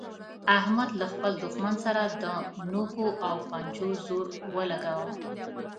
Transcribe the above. احمد له خپل دوښمن سره د نوکو او پنجو زور ولګاوو.